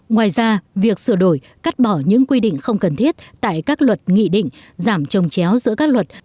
ngoài ra việc sửa đổi cắt bỏ những quy định không cần thiết tại các luật nghị định giảm trồng chéo giữa các luật